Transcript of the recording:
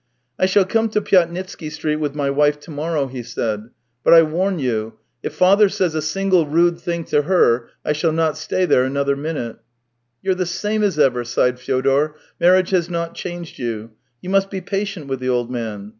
I shall come to Pyatnitsky Street with my wife to morrow," he said; " but I warn you, if father says a single rude thing to her, I shall not stay there another minute." " You're the same as ever," sighed Fyodor. " Marriage has not changed you. You must be patient with the old man.